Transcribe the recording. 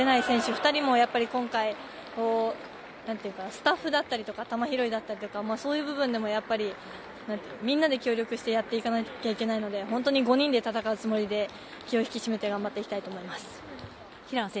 ２人も今回、スタッフだったりとか球拾いだったりとかそういう部分でもみんなで協力してやっていかなきゃいけないので本当に５人で戦うつもりで、気を引き締めて頑張っていきたいと思います。